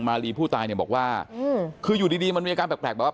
มารีผู้ตายบอกว่าคืออยู่ดีมันมีอาการแปลก